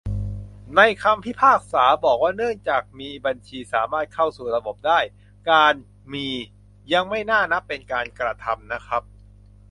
ในคำพิพากษา บอกว่าเนื่องจากมีบัญชีสามารถเข้าสู่ระบบได้ - การ'มี' ยังไม่น่านับเป็นการกระทำนะครับ